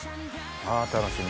あ楽しみ。